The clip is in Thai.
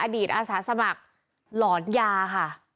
อาสาสมัครหลอนยาค่ะ